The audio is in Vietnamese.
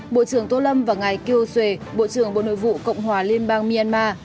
bộ trưởng tô lâm và ngài kieu xuê bộ trưởng bộ nội vụ cộng hòa liên bang myanmar